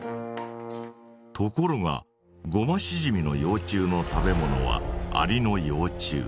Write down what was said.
ところがゴマシジミの幼虫の食べ物はアリの幼虫。